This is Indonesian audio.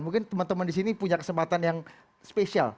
mungkin teman teman disini punya kesempatan yang spesial